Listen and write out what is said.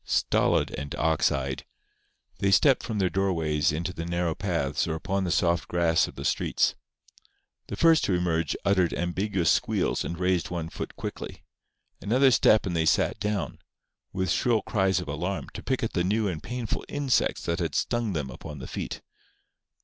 Stolid and ox eyed, they stepped from their doorways into the narrow paths or upon the soft grass of the streets. The first to emerge uttered ambiguous squeals, and raised one foot quickly. Another step and they sat down, with shrill cries of alarm, to pick at the new and painful insects that had stung them upon the feet.